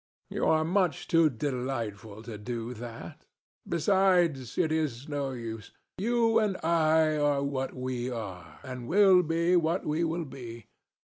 You are much too delightful to do that. Besides, it is no use. You and I are what we are, and will be what we will be.